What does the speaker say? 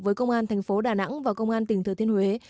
với công an thành phố đà nẵng và công an tỉnh thừa thiên huế